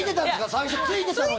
最初、ついてたのに。